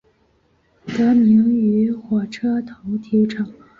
得名于火车头体育场。